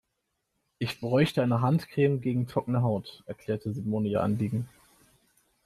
"Ich bräuchte eine Handcreme gegen trockene Haut", erklärte Simone ihr Anliegen.